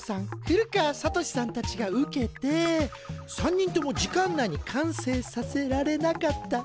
古川聡さんたちが受けて３人とも時間内に完成させられなかった。